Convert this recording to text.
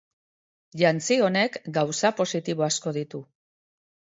Jantzi honek gauza positibo asko ditu.